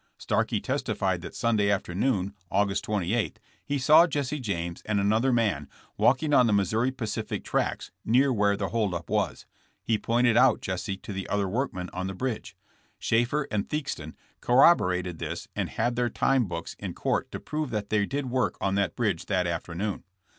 Starkey testified that Sunday afternoon, August 28, he saw Jesse James and an other man walking on the Missouri Pacific tracks near where the hold up was. He pointed out Jesse to the other workmen on the bridge. Shaeffer and Theakston corroborated this and had their time books in court to prove that they did work on that bridge that afternoon.